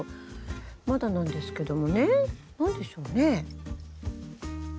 まだなんですけどもね。何でしょうね。